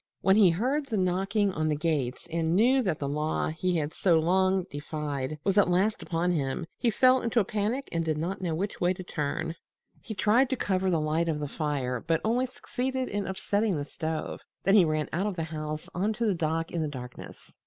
When he heard the knocking on the gates and knew that the law he had so long defied was at last upon him, he fell into a panic and did not know which way to turn. He tried to cover the light of the fire, but only succeeded in upsetting the stove. Then he ran out of the house on to the dock in the darkness.